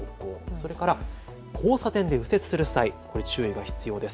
それから交差点で右折する際、注意が必要です。